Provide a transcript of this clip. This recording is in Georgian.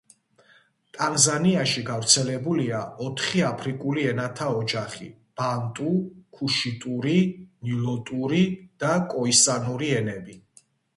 ტანზანიაში გავრცელებულია ოთხი აფრიკული ენათა ოჯახი: ბანტუ, ქუშიტური, ნილოტური და კოისანური ენები.